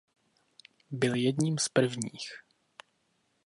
Byl jedním z prvních.